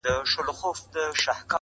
تا ول زه به یارته زولنې د کاکل واغوندم